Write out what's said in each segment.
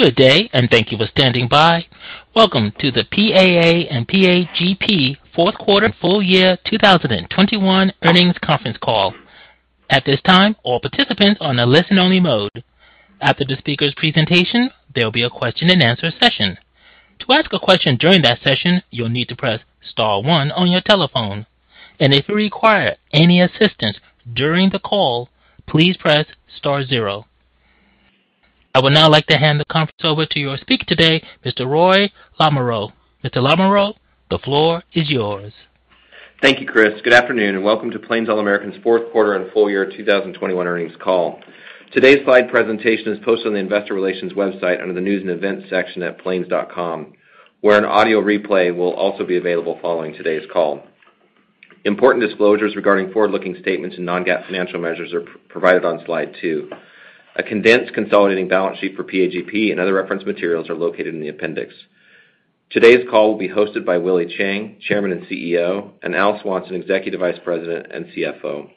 Good day, and thank you for standing by. Welcome to the PAA and PAGP fourth quarter full year 2021 earnings conference call. At this time, all participants are on a listen only mode. After the speaker's presentation, there'll be a question-and-answer session. To ask a question during that session, you'll need to press star one on your telephone. If you require any assistance during the call, please press star zero. I would now like to hand the conference over to your speaker today, Mr. Roy Lamoreaux. Mr. Lamoreaux, the floor is yours. Thank you, Chris. Good afternoon, and welcome to Plains All American Pipeline's fourth quarter and full year 2021 earnings call. Today's slide presentation is posted on the investor relations website under the News and Events section at plains.com, where an audio replay will also be available following today's call. Important disclosures regarding forward-looking statements and non-GAAP financial measures are provided on slide two. A condensed consolidated balance sheet for PAGP and other reference materials are located in the appendix. Today's call will be hosted by Willie Chiang, Chairman and CEO, and Al Swanson, Executive Vice President and CFO.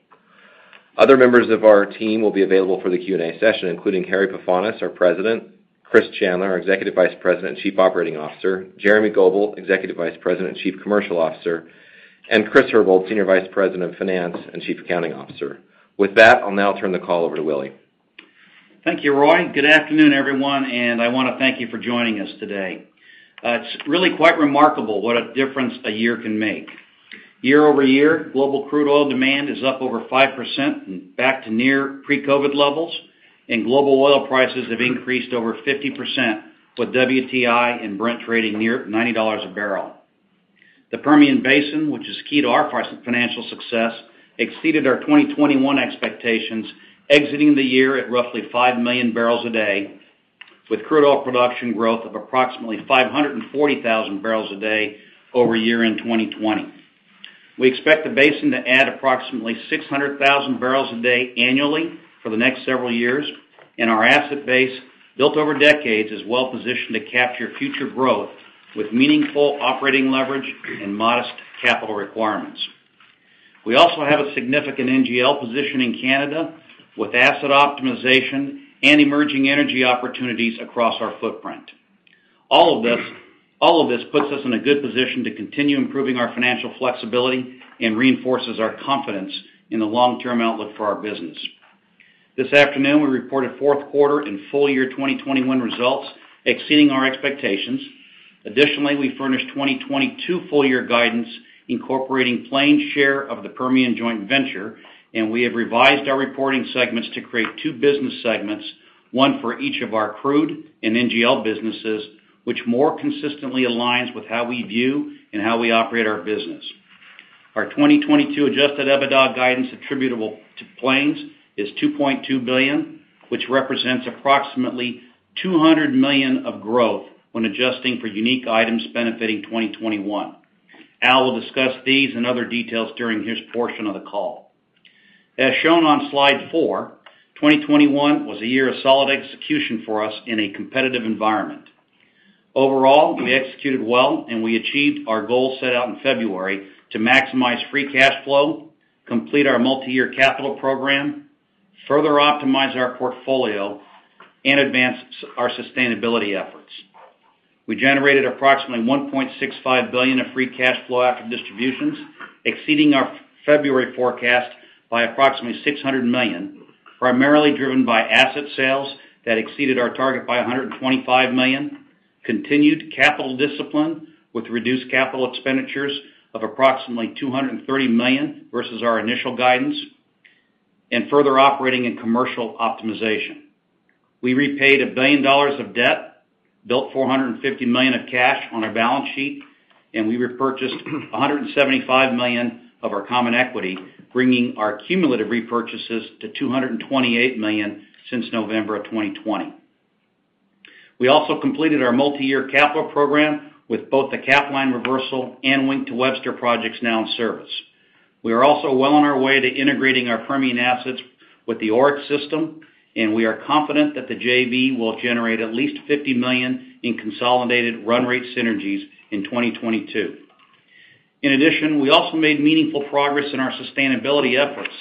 Other members of our team will be available for the Q&A session, including Harry Pefanis, our President; Chris Chandler, our Executive Vice President and Chief Operating Officer; Jeremy Goebel, Executive Vice President and Chief Commercial Officer; and Chris Herbold, Senior Vice President of Finance and Chief Accounting Officer. With that, I'll now turn the call over to Willie. Thank you, Roy. Good afternoon, everyone, and I wanna thank you for joining us today. It's really quite remarkable what a difference a year can make. Year-over-year, global crude oil demand is up over 5% and back to near pre-COVID levels, and global oil prices have increased over 50%, with WTI and Brent trading near $90 a barrel. The Permian Basin, which is key to our financial success, exceeded our 2021 expectations, exiting the year at roughly 5 million barrels a day, with crude oil production growth of approximately 540,000 barrels a day over year-end 2020. We expect the basin to add approximately 600,000 barrels a day annually for the next several years, and our asset base, built over decades, is well-positioned to capture future growth with meaningful operating leverage and modest capital requirements. We also have a significant NGL position in Canada with asset optimization and emerging energy opportunities across our footprint. All of this puts us in a good position to continue improving our financial flexibility and reinforces our confidence in the long-term outlook for our business. This afternoon, we reported fourth quarter and full year 2021 results exceeding our expectations. Additionally, we furnished 2022 full year guidance incorporating Plains' share of the Permian joint venture, and we have revised our reporting segments to create two business segments, one for each of our crude and NGL businesses, which more consistently aligns with how we view and how we operate our business. Our 2022 Adjusted EBITDA guidance attributable to Plains is $2.2 billion, which represents approximately $200 million of growth when adjusting for unique items benefiting 2021. Al will discuss these and other details during his portion of the call. As shown on slide four, 2021 was a year of solid execution for us in a competitive environment. Overall, we executed well, and we achieved our goal set out in February to maximize free cash flow, complete our multi-year capital program, further optimize our portfolio and advance our sustainability efforts. We generated approximately $1.65 billion of free cash flow after distributions, exceeding our February forecast by approximately $600 million, primarily driven by asset sales that exceeded our target by $125 million, continued capital discipline with reduced capital expenditures of approximately $230 million versus our initial guidance, and further operating and commercial optimization. We repaid $1 billion of debt, built $450 million of cash on our balance sheet, and we repurchased $175 million of our common equity, bringing our cumulative repurchases to $228 million since November 2020. We also completed our multi-year capital program with both the Capline reversal and Wink to Webster projects now in service. We are also well on our way to integrating our Permian assets with the ORX system, and we are confident that the JV will generate at least $50 million in consolidated run-rate synergies in 2022. In addition, we also made meaningful progress in our sustainability efforts,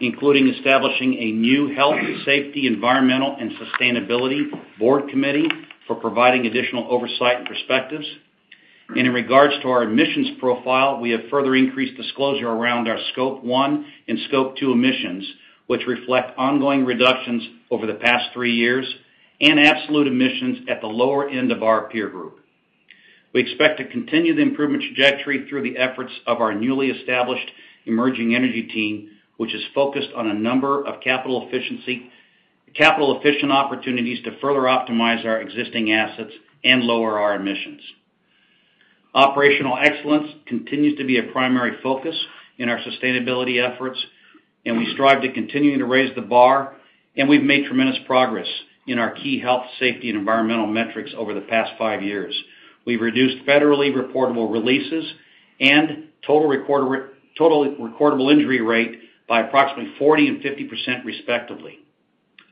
including establishing a new health, safety, environmental, and sustainability board committee for providing additional oversight and perspectives. In regards to our emissions profile, we have further increased disclosure around our Scope 1 and Scope 2 emissions, which reflect ongoing reductions over the past three years and absolute emissions at the lower end of our peer group. We expect to continue the improvement trajectory through the efforts of our newly established emerging energy team, which is focused on a number of capital efficient opportunities to further optimize our existing assets and lower our emissions. Operational excellence continues to be a primary focus in our sustainability efforts, and we strive to continue to raise the bar, and we've made tremendous progress in our key health, safety, and environmental metrics over the past five years. We've reduced federally reportable releases and total recordable injury rate by approximately 40% and 50% respectively.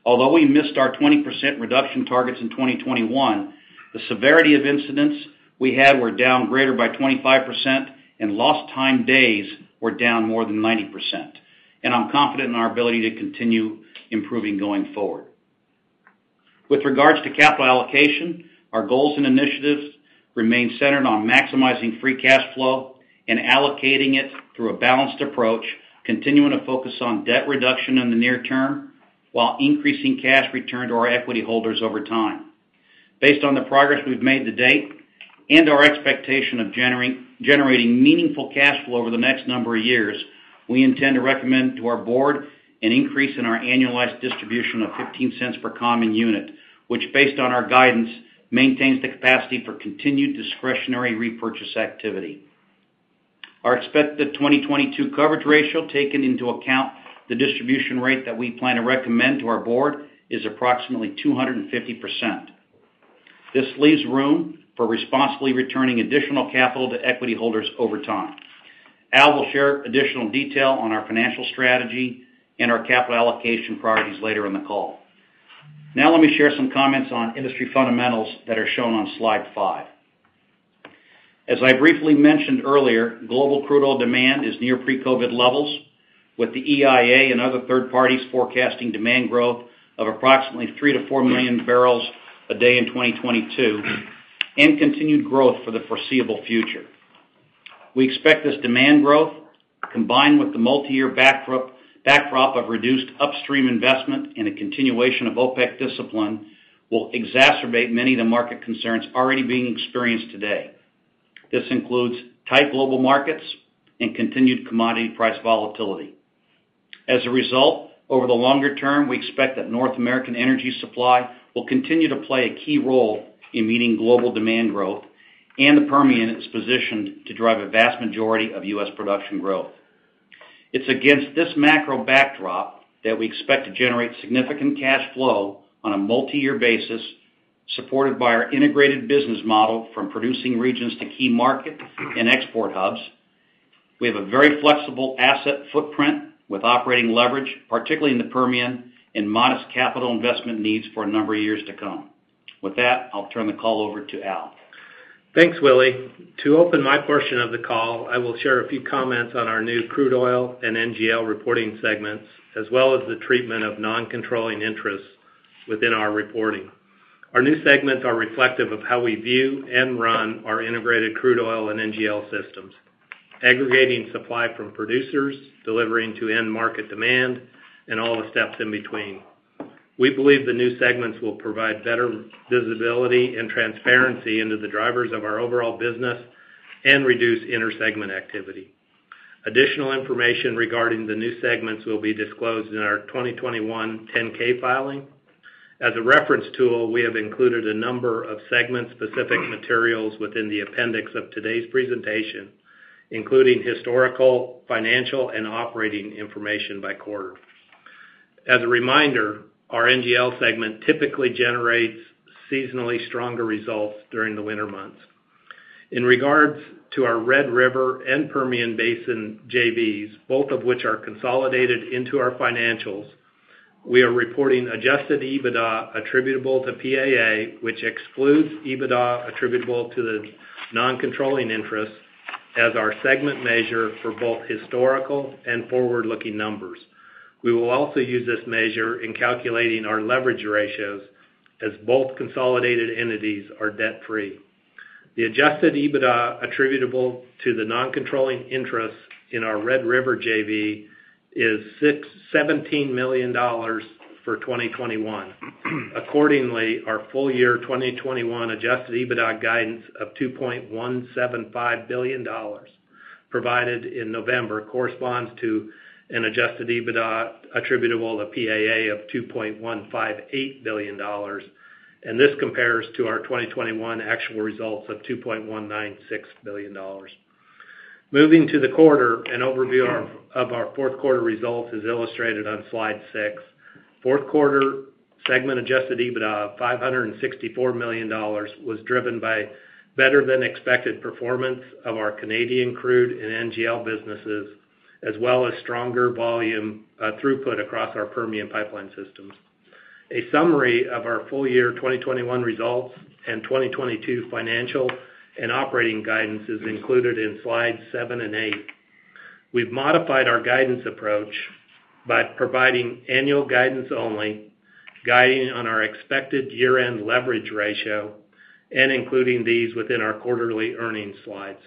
Although we missed our 20% reduction targets in 2021, the severity of incidents we had were down greater by 25% and lost time days were down more than 90%. I'm confident in our ability to continue improving going forward. With regards to capital allocation, our goals and initiatives remain centered on maximizing free cash flow and allocating it through a balanced approach, continuing to focus on debt reduction in the near term, while increasing cash return to our equity holders over time. Based on the progress we've made to date and our expectation of generating meaningful cash flow over the next number of years, we intend to recommend to our board an increase in our annualized distribution of $0.15 per common unit, which based on our guidance, maintains the capacity for continued discretionary repurchase activity. Our expected 2022 coverage ratio, taking into account the distribution rate that we plan to recommend to our board, is approximately 250%. This leaves room for responsibly returning additional capital to equity holders over time. Al will share additional detail on our financial strategy and our capital allocation priorities later in the call. Now let me share some comments on industry fundamentals that are shown on slide five. As I briefly mentioned earlier, global crude oil demand is near pre-COVID levels, with the EIA and other third parties forecasting demand growth of approximately 3 million-4 million barrels a day in 2022, and continued growth for the foreseeable future. We expect this demand growth, combined with the multiyear backdrop of reduced upstream investment and a continuation of OPEC discipline, will exacerbate many of the market concerns already being experienced today. This includes tight global markets and continued commodity price volatility. As a result, over the longer term, we expect that North American energy supply will continue to play a key role in meeting global demand growth, and the Permian is positioned to drive a vast majority of US production growth. It's against this macro backdrop that we expect to generate significant cash flow on a multiyear basis, supported by our integrated business model from producing regions to key market and export hubs. We have a very flexible asset footprint with operating leverage, particularly in the Permian, and modest capital investment needs for a number of years to come. With that, I'll turn the call over to Al. Thanks, Willie. To open my portion of the call, I will share a few comments on our new crude oil and NGL reporting segments, as well as the treatment of non-controlling interests within our reporting. Our new segments are reflective of how we view and run our integrated crude oil and NGL systems, aggregating supply from producers, delivering to end market demand, and all the steps in between. We believe the new segments will provide better visibility and transparency into the drivers of our overall business and reduce inter-segment activity. Additional information regarding the new segments will be disclosed in our 2021 10-K filing. As a reference tool, we have included a number of segment-specific materials within the appendix of today's presentation, including historical, financial, and operating information by quarter. As a reminder, our NGL segment typically generates seasonally stronger results during the winter months. In regards to our Red River and Permian Basin JVs, both of which are consolidated into our financials, we are reporting Adjusted EBITDA attributable to PAA, which excludes EBITDA attributable to the non-controlling interest as our segment measure for both historical and forward-looking numbers. We will also use this measure in calculating our leverage ratios as both consolidated entities are debt-free. The Adjusted EBITDA attributable to the non-controlling interest in our Red River JV is $17 million for 2021. Accordingly, our full year 2021 Adjusted EBITDA guidance of $2.175 billion provided in November corresponds to an Adjusted EBITDA attributable to PAA of $2.158 billion, and this compares to our 2021 actual results of $2.196 billion. Moving to the quarter, an overview of our fourth quarter results is illustrated on slide six. Fourth quarter segment Adjusted EBITDA of $564 million was driven by better-than-expected performance of our Canadian crude and NGL businesses, as well as stronger volume throughput across our Permian pipeline systems. A summary of our full-year 2021 results and 2022 financial and operating guidance is included in slides seven and eight. We've modified our guidance approach by providing annual guidance only, guiding on our expected year-end leverage ratio, and including these within our quarterly earnings slides.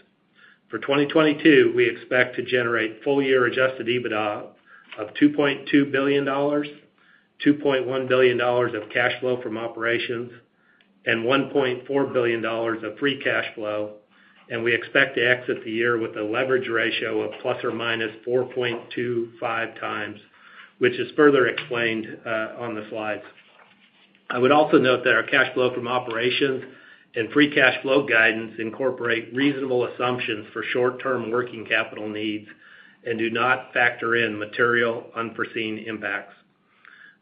For 2022, we expect to generate full-year Adjusted EBITDA of $2.2 billion, $2.1 billion of cash flow from operations, and $1.4 billion of free cash flow, and we expect to exit the year with a leverage ratio of ±4.25x, which is further explained on the slides. I would also note that our cash flow from operations and free cash flow guidance incorporate reasonable assumptions for short-term working capital needs and do not factor in material unforeseen impacts.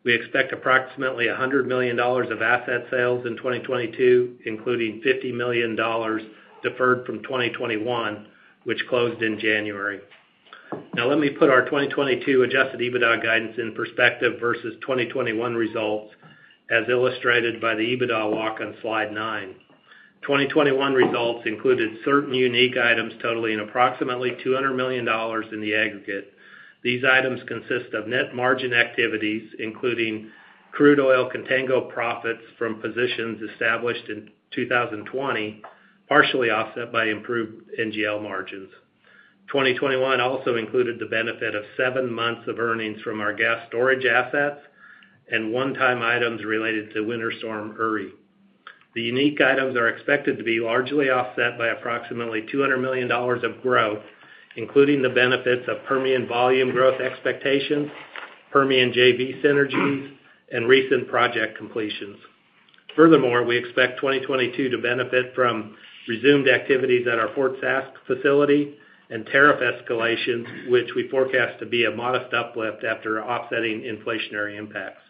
We expect approximately $100 million of asset sales in 2022, including $50 million deferred from 2021, which closed in January. Now let me put our 2022 Adjusted EBITDA guidance in perspective versus 2021 results as illustrated by the EBITDA walk on slide nine. 2021 results included certain unique items totaling approximately $200 million in the aggregate. These items consist of net margin activities, including crude oil contango profits from positions established in 2020, partially offset by improved NGL margins. 2021 also included the benefit of seven months of earnings from our gas storage assets and one-time items related to Winter Storm Uri. The unique items are expected to be largely offset by approximately $200 million of growth, including the benefits of Permian volume growth expectations, Permian JV synergies, and recent project completions. Furthermore, we expect 2022 to benefit from resumed activities at our Fort Sask facility and tariff escalation, which we forecast to be a modest uplift after offsetting inflationary impacts.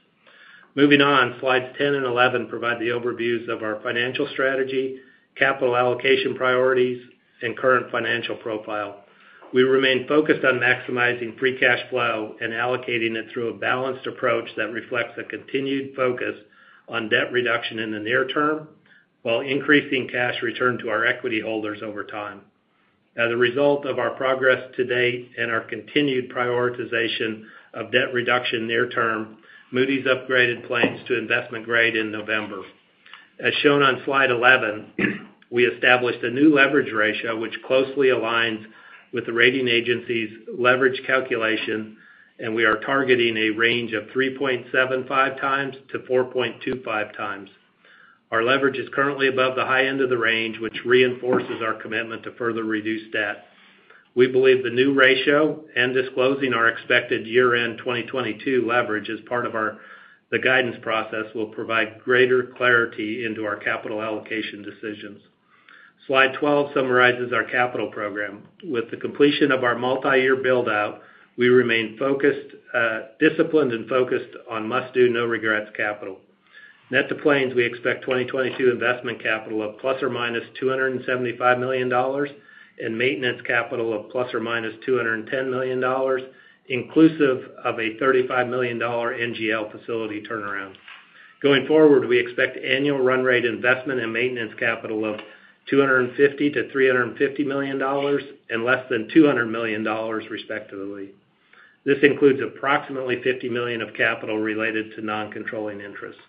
Moving on, slides 10 and 11 provide the overviews of our financial strategy, capital allocation priorities, and current financial profile. We remain focused on maximizing free cash flow and allocating it through a balanced approach that reflects a continued focus on debt reduction in the near term while increasing cash return to our equity holders over time. As a result of our progress to date and our continued prioritization of debt reduction near term, Moody's upgraded Plains to investment grade in November. As shown on Slide 11, we established a new leverage ratio which closely aligns with the rating agency's leverage calculation, and we are targeting a range of 3.75x-4.25x. Our leverage is currently above the high end of the range, which reinforces our commitment to further reduce debt. We believe the new ratio and disclosing our expected year-end 2022 leverage as part of the guidance process will provide greater clarity into our capital allocation decisions. Slide 12 summarizes our capital program. With the completion of our multiyear build-out, we remain focused, disciplined and focused on must-do, no-regrets capital. Net to Plains, we expect 2022 investment capital of ±$275 million and maintenance capital of ±$210 million, inclusive of a $35 million NGL facility turnaround. Going forward, we expect annual run-rate investment and maintenance capital of $250 million-$350 million and less than $200 million, respectively. This includes approximately $50 million of capital related to non-controlling interests.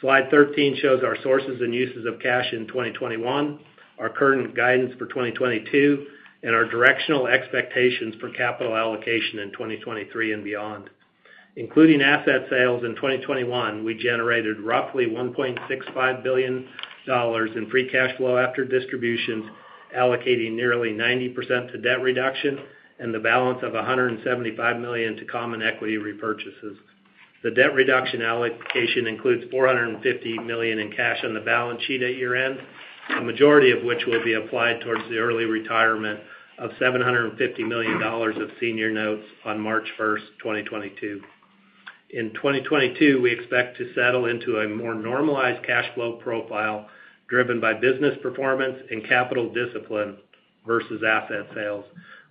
Slide 13 shows our sources and uses of cash in 2021, our current guidance for 2022, and our directional expectations for capital allocation in 2023 and beyond. Including asset sales in 2021, we generated roughly $1.65 billion in free cash flow after distributions, allocating nearly 90% to debt reduction and the balance of $175 million to common equity repurchases. The debt reduction allocation includes $450 million in cash on the balance sheet at year-end, a majority of which will be applied towards the early retirement of $750 million of senior notes on March first, 2022. In 2022, we expect to settle into a more normalized cash flow profile driven by business performance and capital discipline versus asset sales.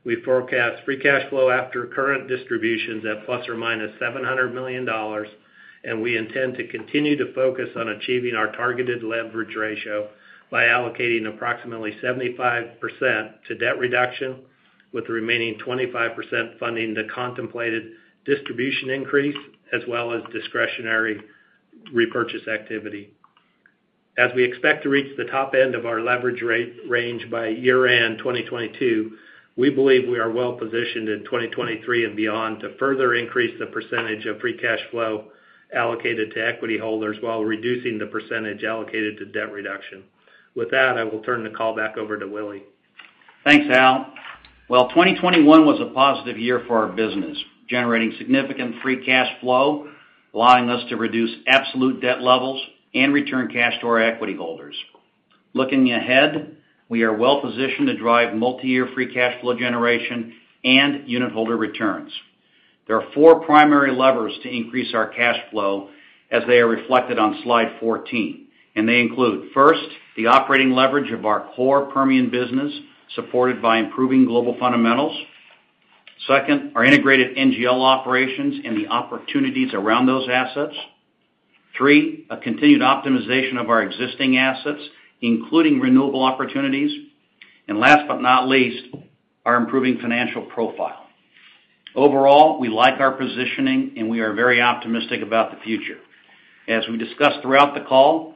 We forecast free cash flow after current distributions at ±$700 million, and we intend to continue to focus on achieving our targeted leverage ratio by allocating approximately 75% to debt reduction, with the remaining 25% funding the contemplated distribution increase as well as discretionary repurchase activity. We expect to reach the top end of our leverage range by year-end 2022. We believe we are well positioned in 2023 and beyond to further increase the percentage of free cash flow allocated to equity holders while reducing the percentage allocated to debt reduction. With that, I will turn the call back over to Willie. Thanks, Al. Well, 2021 was a positive year for our business, generating significant free cash flow, allowing us to reduce absolute debt levels and return cash to our equity holders. Looking ahead, we are well positioned to drive multiyear free cash flow generation and unitholder returns. There are four primary levers to increase our cash flow as they are reflected on Slide 14, and they include, first, the operating leverage of our core Permian business, supported by improving global fundamentals. Second, our integrated NGL operations and the opportunities around those assets. Three, a continued optimization of our existing assets, including renewable opportunities. And last but not least, our improving financial profile. Overall, we like our positioning, and we are very optimistic about the future. As we discussed throughout the call,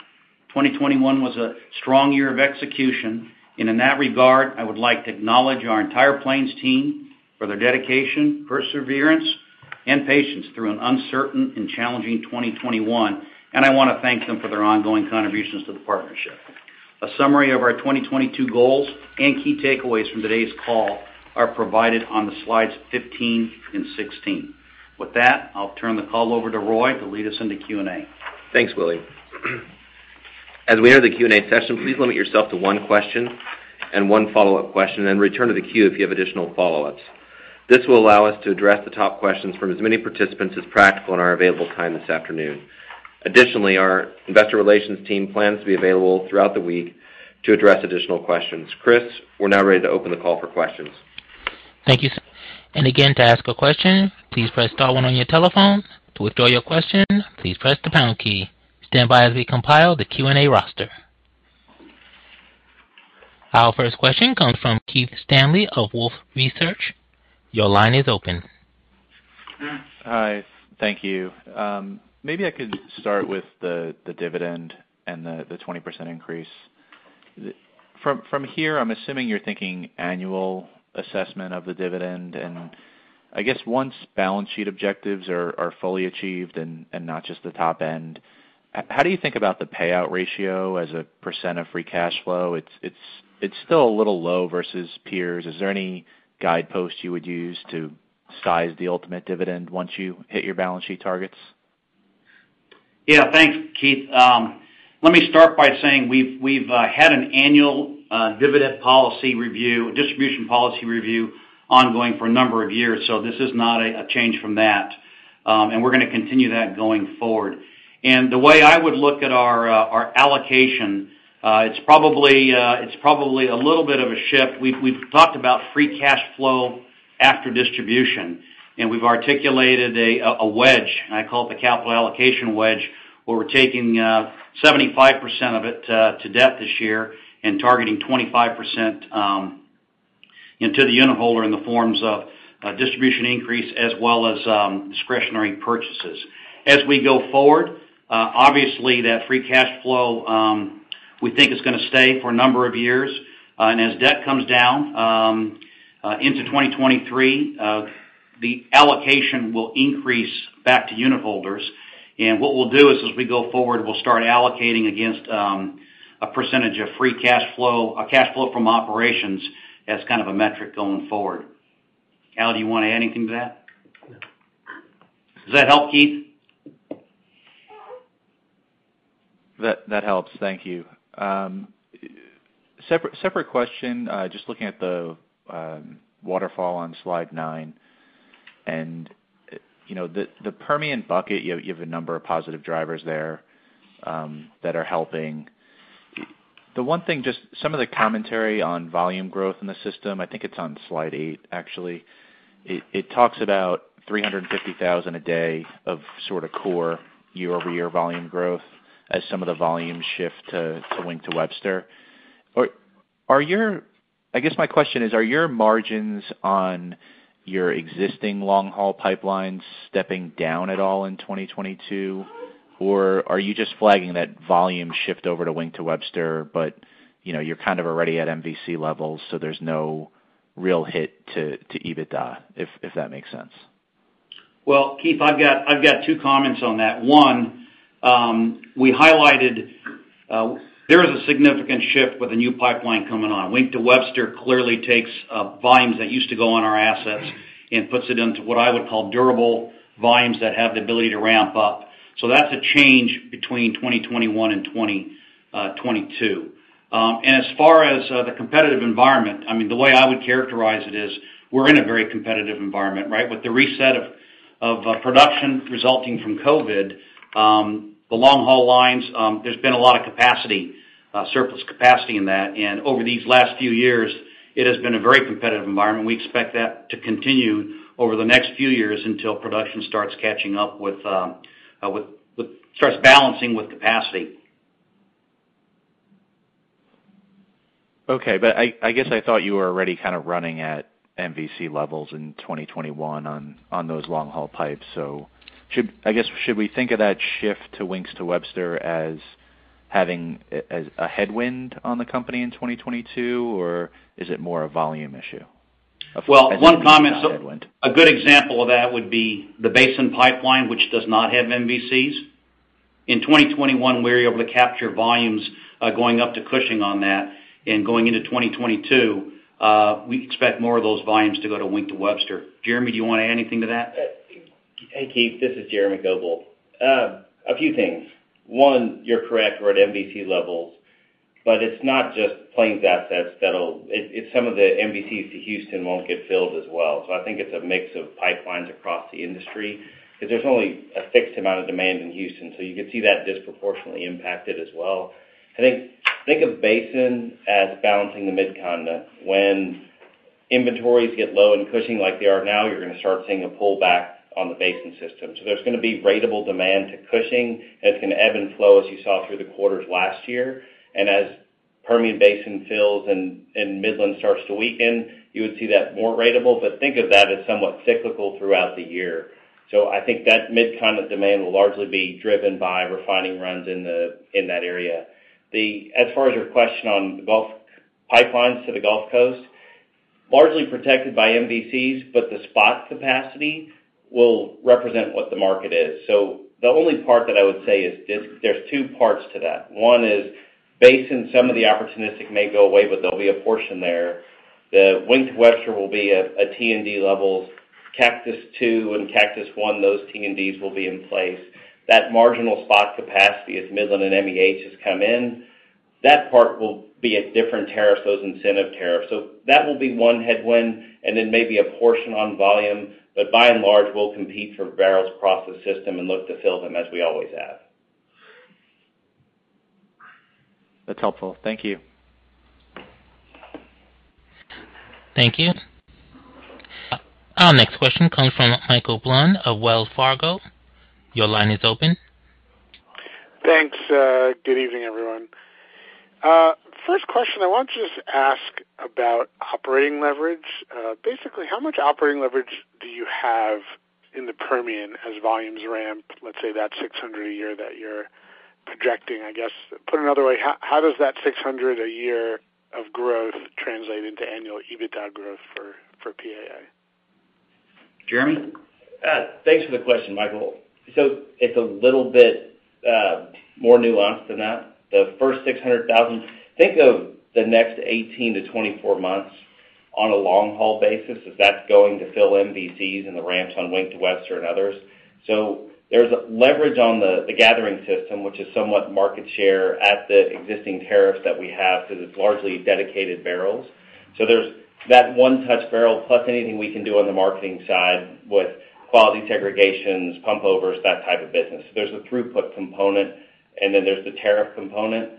2021 was a strong year of execution. In that regard, I would like to acknowledge our entire Plains team for their dedication, perseverance, and patience through an uncertain and challenging 2021, and I wanna thank them for their ongoing contributions to the partnership. A summary of our 2022 goals and key takeaways from today's call are provided on the slides 15 and 16. With that, I'll turn the call over to Roy to lead us into Q&A. Thanks, Willie. As we enter the Q&A session, please limit yourself to one question and one follow-up question, and return to the queue if you have additional follow-ups. This will allow us to address the top questions from as many participants as practical in our available time this afternoon. Additionally, our investor relations team plans to be available throughout the week to address additional questions. Chris, we're now ready to open the call for questions. To ask a question, please press star one on your telephone. To withdraw your question, please press the pound key. Stand by as we compile the Q&A roster. Our first question comes from Keith Stanley of Wolfe Research. Your line is open. Hi. Thank you. Maybe I could start with the dividend and the 20% increase. From here, I'm assuming you're thinking annual assessment of the dividend. I guess once balance sheet objectives are fully achieved and not just the top end, how do you think about the payout ratio as a percent of free cash flow? It's still a little low versus peers. Is there any guidepost you would use to size the ultimate dividend once you hit your balance sheet targets? Yeah. Thanks, Keith. Let me start by saying we've had an annual dividend policy review, distribution policy review ongoing for a number of years. This is not a change from that, and we're gonna continue that going forward. The way I would look at our allocation, it's probably a little bit of a shift. We've talked about free cash flow after distribution, and we've articulated a wedge, and I call it the capital allocation wedge, where we're taking 75% of it to debt this year and targeting 25% into the unitholder in the forms of distribution increase as well as discretionary purchases. As we go forward, obviously, that free cash flow we think is gonna stay for a number of years. As debt comes down into 2023, the allocation will increase back to unitholders. What we'll do is as we go forward, we'll start allocating against a percentage of free cash flow, cash flow from operations as kind of a metric going forward. Al, do you wanna add anything to that? No. Does that help, Keith? That helps. Thank you. Separate question. Just looking at the waterfall on slide nine, and you know, the Permian bucket, you have a number of positive drivers there that are helping. The one thing, just some of the commentary on volume growth in the system, I think it's on slide eight, actually. It talks about 350,000 a day of sort of core year-over-year volume growth as some of the volumes shift to Wink to Webster. Are your margins on your existing long-haul pipelines stepping down at all in 2022, or are you just flagging that volume shift over to Wink to Webster, but you know, you're kind of already at MVC levels, so there's no real hit to EBITDA? If that makes sense. Well, Keith, I've got two comments on that. One, we highlighted there is a significant shift with a new pipeline coming on. Wink to Webster clearly takes volumes that used to go on our assets and puts it into what I would call durable volumes that have the ability to ramp up. That's a change between 2021 and 2022. As far as the competitive environment, I mean, the way I would characterize it is we're in a very competitive environment, right? With the reset of production resulting from COVID, the long-haul lines, there's been a lot of capacity, surplus capacity in that. Over these last few years, it has been a very competitive environment. We expect that to continue over the next few years until production starts balancing with capacity. Okay. I guess I thought you were already kind of running at MVC levels in 2021 on those long-haul pipes. I guess should we think of that shift to Wink to Webster as having a headwind on the company in 2022, or is it more a volume issue as it relates to headwind? Well, one comment. A good example of that would be the Basin Pipeline, which does not have MVCs. In 2021, we were able to capture volumes going up to Cushing on that. Going into 2022, we expect more of those volumes to go to Wink to Webster. Jeremy, do you wanna add anything to that? Hey, Keith. This is Jeremy Goebel. A few things. One, you're correct, we're at MVC levels, but it's not just Plains assets. It's some of the MVCs to Houston won't get filled as well. I think it's a mix of pipelines across the industry, because there's only a fixed amount of demand in Houston. You could see that disproportionately impacted as well. I think of Basin as balancing the Midcontinent. When inventories get low in Cushing like they are now, you're gonna start seeing a pullback on the Basin system. There's gonna be ratable demand to Cushing, and it's gonna ebb and flow as you saw through the quarters last year. As Permian Basin fills and Midland starts to weaken, you would see that more ratable. Think of that as somewhat cyclical throughout the year. I think that Midcontinent demand will largely be driven by refining runs in that area. As far as your question on the Gulf pipelines to the Gulf Coast, largely protected by MVCs, but the spot capacity will represent what the market is. The only part that I would say is this, there's two parts to that. One is Basin, some of the opportunistic may go away, but there'll be a portion there. The Wink to Webster will be at T&D levels. Cactus II and Cactus I, those T&Ds will be in place. That marginal spot capacity as Midland and MEH has come in, that part will be at different tariffs, those incentive tariffs. That will be one headwind, and then maybe a portion on volume. By and large, we'll compete for barrels across the system and look to fill them as we always have. That's helpful. Thank you. Thank you. Our next question comes from Michael Blum of Wells Fargo. Your line is open. Thanks. Good evening, everyone. First question, I want to just ask about operating leverage. Basically, how much operating leverage do you have in the Permian as volumes ramp, let's say that 600 a year that you're projecting, I guess? Put another way, how does that 600 a year of growth translate into annual EBITDA growth for PAA? Jeremy? Thanks for the question, Michael. It's a little bit more nuanced than that. The first 600,000—think of the next 18-24 months on a long-haul basis—is that it's going to fill MVCs and the ramps on Wink to Webster and others. There's leverage on the gathering system, which is somewhat market share at the existing tariffs that we have because it's largely dedicated barrels. There's that one-touch barrel plus anything we can do on the marketing side with quality segregations, pump overs, that type of business. There's a throughput component, and then there's the tariff component.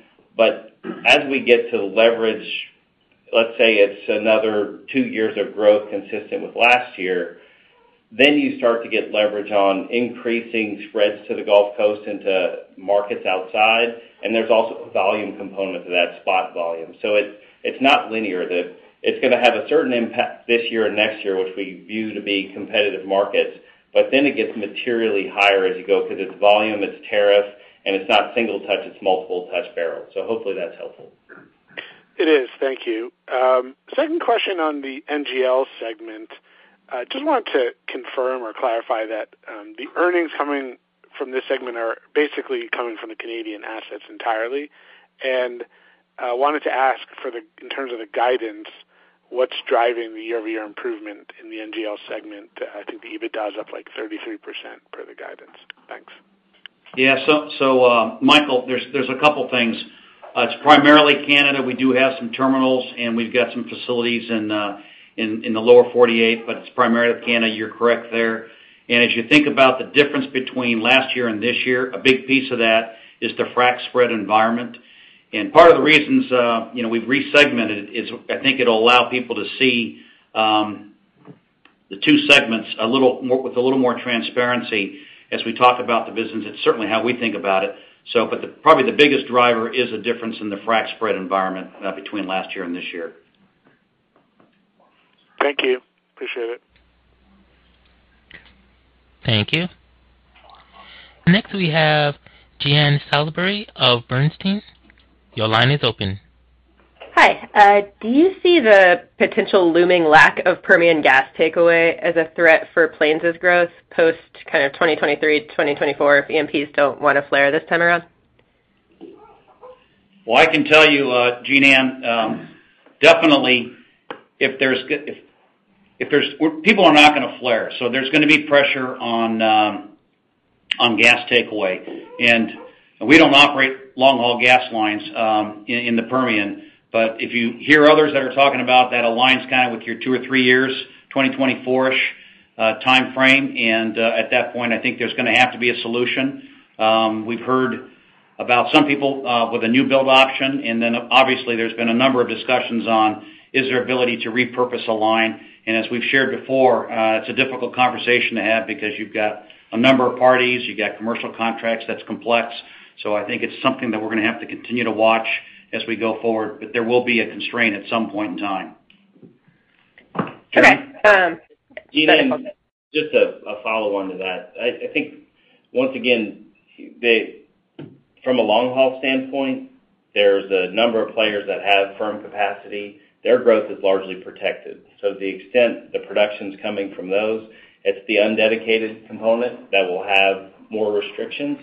As we get to leverage, let's say it's another two years of growth consistent with last year, then you start to get leverage on increasing spreads to the Gulf Coast into markets outside, and there's also a volume component to that spot volume. It's not linear. It's gonna have a certain impact this year and next year, which we view to be competitive markets, but then it gets materially higher as you go because it's volume, it's tariff, and it's not single touch, it's multiple touch barrels. Hopefully that's helpful. It is. Thank you. Second question on the NGL segment. Just want to confirm or clarify that the earnings coming from this segment are basically coming from the Canadian assets entirely. Wanted to ask in terms of the guidance, what's driving the year-over-year improvement in the NGL segment? I think the EBITDA is up, like, 33% per the guidance. Thanks. Yeah. Michael, there's a couple things. It's primarily Canada. We do have some terminals, and we've got some facilities in the lower 48, but it's primarily Canada. You're correct there. As you think about the difference between last year and this year, a big piece of that is the frac spread environment. Part of the reasons we've resegmented is I think it'll allow people to see the two segments a little more with a little more transparency as we talk about the business. It's certainly how we think about it. Probably the biggest driver is a difference in the frac spread environment between last year and this year. Thank you. Appreciate it. Thank you. Next, we have Jean Salisbury of Bernstein. Your line is open. Hi. Do you see the potential looming lack of Permian gas takeaway as a threat for Plains' growth post kind of 2023, 2024 if E&Ps don't wanna flare this time around? Well, I can tell you, Jean Ann, definitely if there's gas, people are not gonna flare, so there's gonna be pressure on gas takeaway. We don't operate long-haul gas lines in the Permian. If you hear others that are talking about that alliance kind of with your two or three years, 2024-ish timeframe, and at that point, I think there's gonna have to be a solution. We've heard about some people with a new build option, and then obviously there's been a number of discussions on is there ability to repurpose a line. As we've shared before, it's a difficult conversation to have because you've got a number of parties, you've got commercial contracts that's complex. I think it's something that we're gonna have to continue to watch as we go forward, but there will be a constraint at some point in time. Okay. Jean Ann, just a follow-on to that. I think once again, from a long-haul standpoint, there's a number of players that have firm capacity. Their growth is largely protected. To the extent the production's coming from those, it's the undedicated component that will have more restrictions.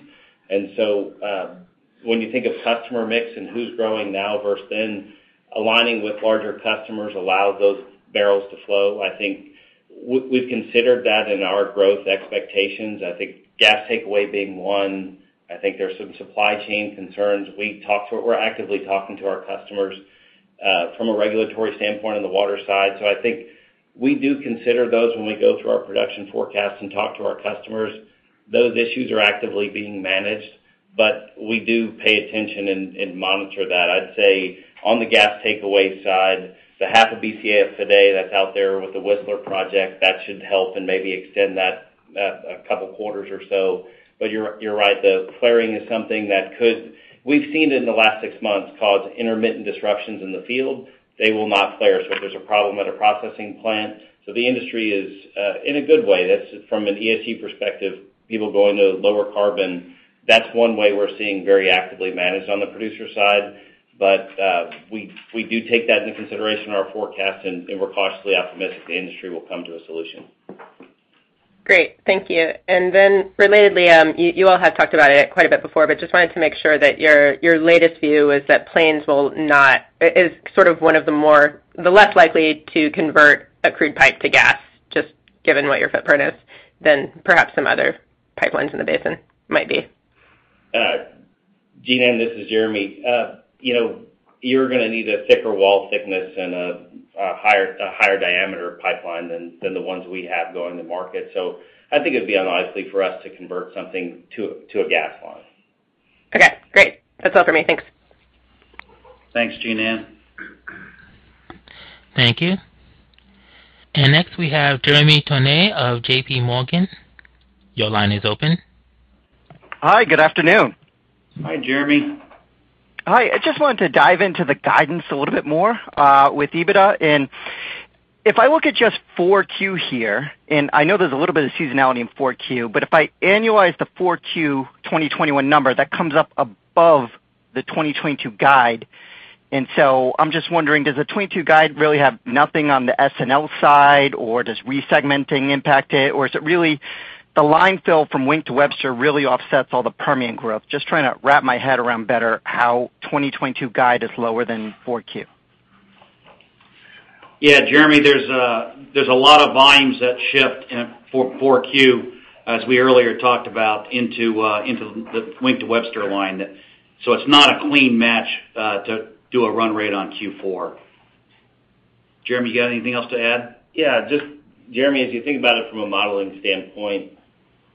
When you think of customer mix and who's growing now versus then, aligning with larger customers allows those barrels to flow. I think we've considered that in our growth expectations. I think gas takeaway being one. I think there's some supply chain concerns. We're actively talking to our customers from a regulatory standpoint on the water side. I think we do consider those when we go through our production forecast and talk to our customers. Those issues are actively being managed, but we do pay attention and monitor that. I'd say on the gas takeaway side, the half of BCF today that's out there with the Whistler project that should help and maybe extend that a couple quarters or so. You're right, the flaring is something that could cause intermittent disruptions in the field. We've seen it in the last six months. They will not flare if there's a problem at a processing plant. The industry is in a good way. That's from an ESG perspective, people going to lower carbon. That's one way we're seeing very actively managed on the producer side. We do take that into consideration in our forecast and we're cautiously optimistic the industry will come to a solution. Great. Thank you. Relatedly, you all have talked about it quite a bit before, but just wanted to make sure that your latest view is that Plains is sort of the less likely to convert a crude pipe to gas, just given what your footprint is, than perhaps some other pipelines in the basin might be. Jean Ann, this is Jeremy. You're gonna need a thicker wall thickness and a higher diameter pipeline than the ones we have going to market. I think it'd be unlikely for us to convert something to a gas line. Okay, great. That's all for me. Thanks. Thanks, Jean Ann. Thank you. Next, we have Jeremy Tonet of JPMorgan. Your line is open. Hi, good afternoon. Hi, Jeremy. Hi. I just wanted to dive into the guidance a little bit more with EBITDA. If I look at just Q4 here, and I know there's a little bit of seasonality in Q4, but if I annualize the Q4 2021 number, that comes up above the 2022 guide. I'm just wondering, does the 2022 guide really have nothing on the NGL side, or does re-segmenting impact it? Or is it really the line fill from Wink to Webster really offsets all the Permian growth. Just trying to wrap my head around better how 2022 guide is lower than Q4. Yeah, Jeremy, there's a lot of volumes that shift in Q4, as we earlier talked about, into the Wink to Webster line. So it's not a clean match to do a run-rate on Q4. Jeremy, you got anything else to add? Yeah, just Jeremy, as you think about it from a modeling standpoint,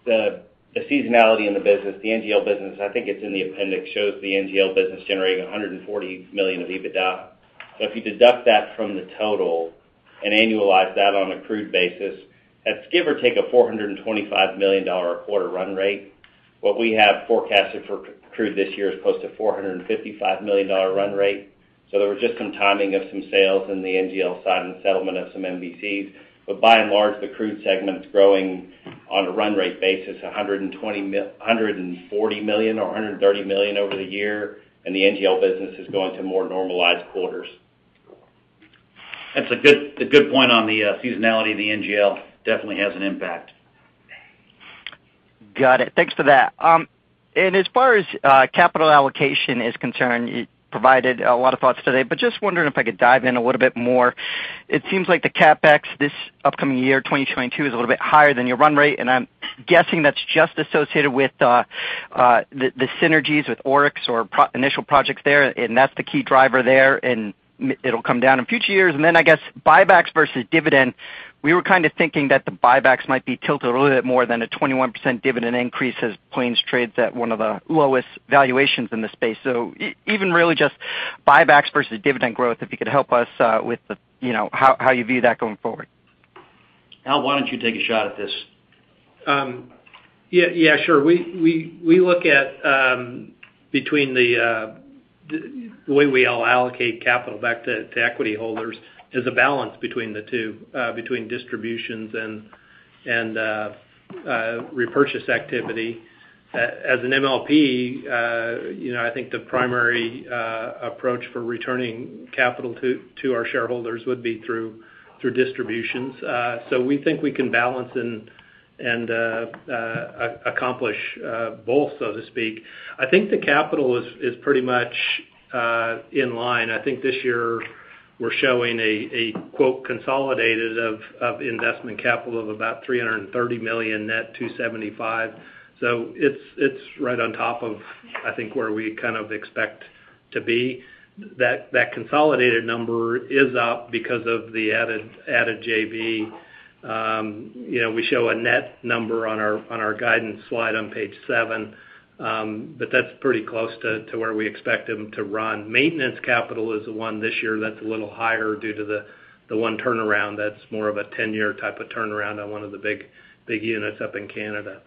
the seasonality in the business, the NGL business, I think it's in the appendix, shows the NGL business generating $140 million of EBITDA. If you deduct that from the total and annualize that on a crude basis, that's give or take a $425 million quarter run-rate. What we have forecasted for crude this year is close to $455 million run-rate. There was just some timing of some sales in the NGL side and settlement of some MVCs. By and large, the crude segment is growing on a run-rate basis, $140 million or $130 million over the year, and the NGL business is going to more normalized quarters. That's a good point on the seasonality of the NGL. Definitely has an impact. Got it. Thanks for that. As far as capital allocation is concerned, you provided a lot of thoughts today, but just wondering if I could dive in a little bit more. It seems like the CapEx this upcoming year, 2022, is a little bit higher than your run-rate, and I'm guessing that's just associated with the synergies with Oryx project initial projects there, and that's the key driver there, and it'll come down in future years. I guess buybacks versus dividend, we were kind of thinking that the buybacks might be tilted a little bit more than a 21% dividend increase as Plains trades at one of the lowest valuations in the space. Even really just buybacks versus dividend growth, if you could help us with the you know how you view that going forward. Al, why don't you take a shot at this? Yeah. Yeah, sure. We look at between the way we all allocate capital back to equity holders is a balance between the two between distributions and repurchase activity. As an MLP, you know, I think the primary approach for returning capital to our shareholders would be through distributions. So we think we can balance and accomplish both, so to speak. I think the capital is pretty much in line. I think this year we're showing a consolidated of investment capital of about $330 million net $275. So it's right on top of, I think, where we kind of expect to be. That consolidated number is up because of the added JV. You know, we show a net number on our guidance slide on page seven, but that's pretty close to where we expect them to run. Maintenance capital is the one this year that's a little higher due to the one turnaround that's more of a 10-year type of turnaround on one of the big units up in Canada.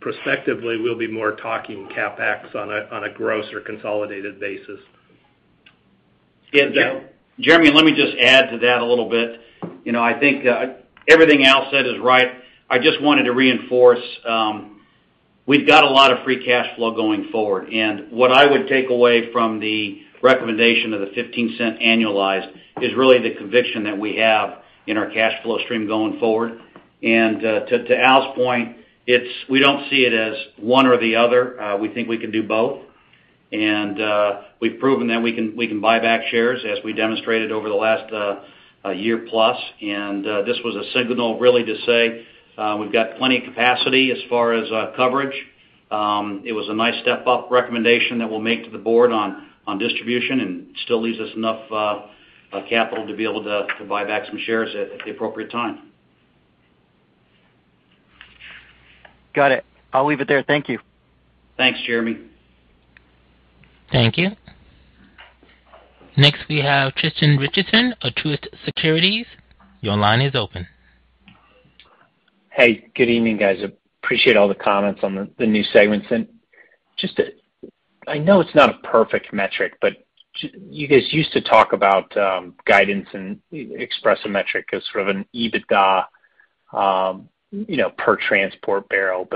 Prospectively, we'll be more talking CapEx on a gross or consolidated basis. Jeremy, let me just add to that a little bit. You know, I think everything Al said is right. I just wanted to reinforce, we've got a lot of free cash flow going forward. What I would take away from the recommendation of the $0.15 annualized is really the conviction that we have in our cash flow stream going forward. To Al's point, we don't see it as one or the other. We think we can do both. We've proven that we can buy back shares as we demonstrated over the last year plus. This was a signal really to say, we've got plenty of capacity as far as coverage. It was a nice step-up recommendation that we'll make to the board on distribution and still leaves us enough capital to be able to buy back some shares at the appropriate time. Got it. I'll leave it there. Thank you. Thanks, Jeremy. Thank you. Next, we have Tristan Richardson of Truist Securities. Your line is open. Hey, good evening, guys. Appreciate all the comments on the new segments. I know it's not a perfect metric, but you guys used to talk about guidance and express a metric as sort of an EBITDA, you know, per transport barrel.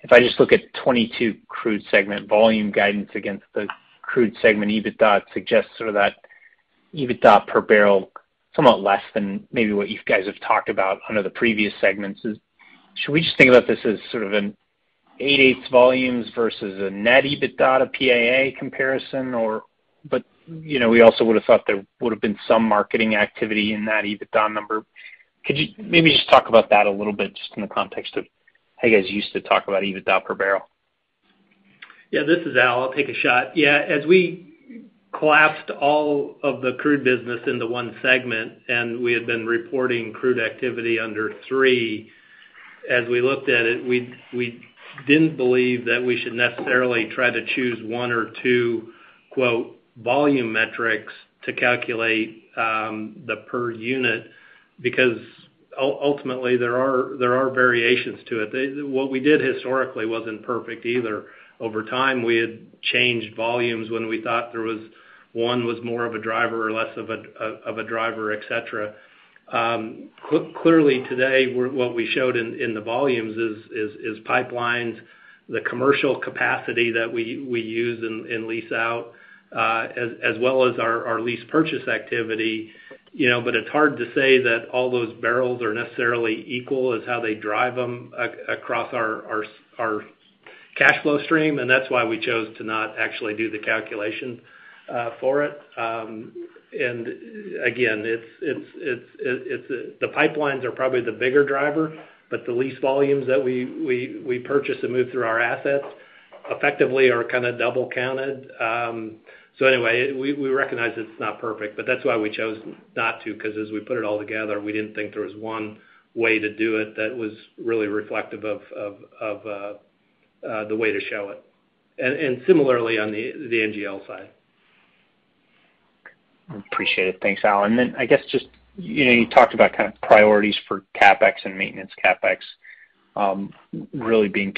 If I just look at 2022 crude segment volume guidance against the crude segment EBITDA suggests sort of that EBITDA per barrel somewhat less than maybe what you guys have talked about under the previous segments. Should we just think about this as sort of a 8/8ths volumes versus a net EBITDA PAA comparison? You know, we also would have thought there would have been some marketing activity in that EBITDA number. Could you maybe just talk about that a little bit just in the context of how you guys used to talk about EBITDA per barrel? Yeah, this is Al. I'll take a shot. Yeah, as we collapsed all of the crude business into one segment, and we had been reporting crude activity under three. As we looked at it, we didn't believe that we should necessarily try to choose one or two, quote, volume metrics to calculate the per unit because ultimately, there are variations to it. What we did historically wasn't perfect either. Over time, we had changed volumes when we thought one was more of a driver or less of a driver, et cetera. Clearly today, what we showed in the volumes is pipelines, the commercial capacity that we use and lease out, as well as our lease purchase activity. You know, it's hard to say that all those barrels are necessarily equal as how they drive them across our cash flow stream, and that's why we chose to not actually do the calculation for it. Again, it's the pipelines are probably the bigger driver, but the lease volumes that we purchase and move through our assets effectively are kind of double-counted. Anyway, we recognize it's not perfect, but that's why we chose not to, 'cause as we put it all together, we didn't think there was one way to do it that was really reflective of the way to show it. Similarly on the NGL side. Appreciate it. Thanks, Al. I guess just, you know, you talked about kind of priorities for CapEx and maintenance CapEx, really being